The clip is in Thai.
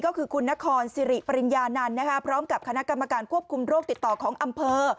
ก็คือคุณนครสิริปริญญานันต์พร้อมกับคณะกรรมการควบคุมโรคติดต่อของอำเภอ